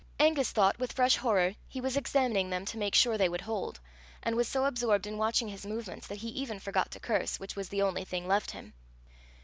Angus thought, with fresh horror, he was examining them to make sure they would hold, and was so absorbed in watching his movements that he even forgot to curse, which was the only thing left him.